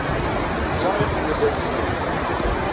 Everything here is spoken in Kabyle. D netta iɣef nella nettnadi.